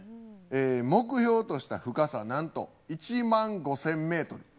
目標とした深さなんと１万５，０００ｍ。